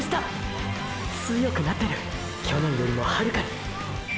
強くなってる去年よりもはるかに！！